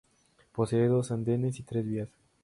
Posee dos andenes y tres vías.